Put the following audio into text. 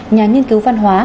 nhà nghiên cứu văn hóa